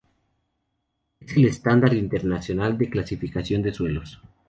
Es el estándar internacional de clasificación de suelos.